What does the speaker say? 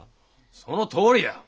そのとおりや！